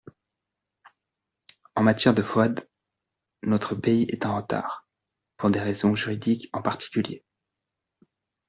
En matière de FOAD, notre pays est en retard, pour des raisons juridiques en particulier.